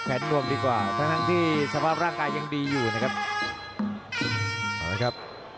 แผนรวมดีกว่าทั้งที่สภาพร่างกายยังดีอยู่นะครับ